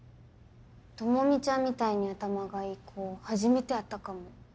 朋美ちゃんみたいに頭がいい子初めて会ったかも。